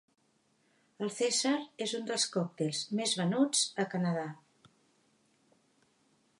El Cèsar és un dels còctels més venuts a Canadà.